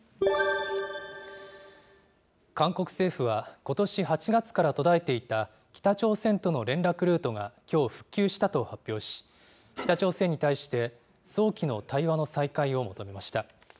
韓国政府は、ことし８月から途絶えていた北朝鮮との連絡ルートがきょう復旧したと発表し、北朝鮮に対して早期の対話の再開を求めました。